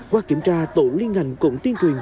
qua kiểm tra tổ liên hành cũng tiên truyền